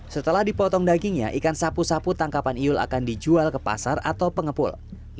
setelah dipotong dagingnya ikan sapu sapu tangkapan iul akan dijual ke pasar atau pengepul